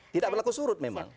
tidak berlaku surut memang